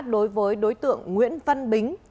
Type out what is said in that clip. đối với đối tượng nguyễn văn bính